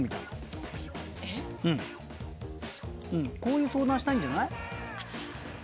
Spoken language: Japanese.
こういう相談したいんじゃない？